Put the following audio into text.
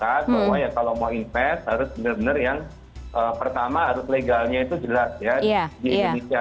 bahwa ya kalau mau investasi harus benar benar yang pertama harus legalnya itu jelas ya di indonesia